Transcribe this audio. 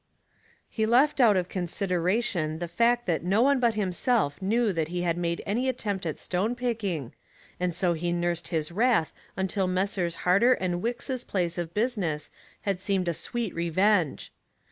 He left out of consideration the fact that no one but himself knew that he had made any attempt at stone picking, and so he nursed his wrath until Messrs. Harter & Wicks' place of business had seemed a sweet re venge.